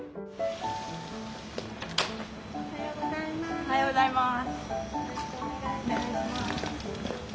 おはようございます！